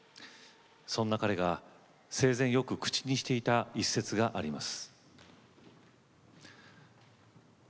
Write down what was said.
そんな彼が生前よく口にしていた一節があります。